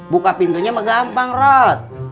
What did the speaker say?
buka pintunya mah gampang rod